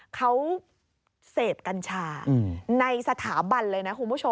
เขาเสพกัญชาในสถาบันเลยนะคุณผู้ชม